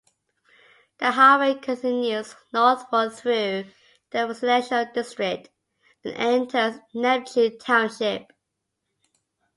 The highway continues northward through the residential district, and enters Neptune Township.